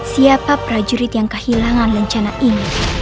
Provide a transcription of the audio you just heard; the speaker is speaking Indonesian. siapa prajurit yang kehilangan rencana ini